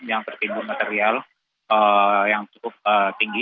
yang tertimbun material yang cukup tinggi